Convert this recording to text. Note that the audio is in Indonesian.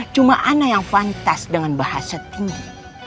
cuma anak yang fantas dengan bahasa tinggi